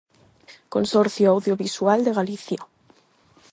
Consorcio Audiovisual de Galicia.